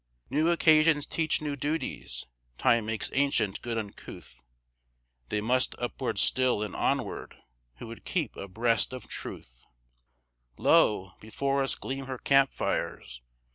New occasions teach new duties; Time makes ancient good uncouth; They must upward still, and onward, who would keep abreast of Truth; Lo, before us gleam her camp fires!